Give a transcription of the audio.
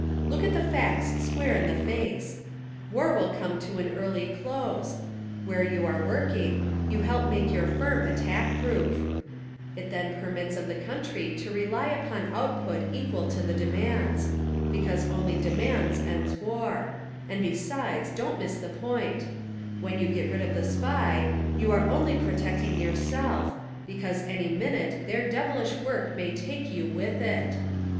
Look at the facts square in the face : "War will come to an early close ; where you are working you help make your firm attack proof; it "then permits of the country to rely upon output equal to the demands, because only demands ends war ; and, besides, don't miss this point : "When you get rid of the SPY you are only pro tecting yourself, because any minute their devilish work may take you with it."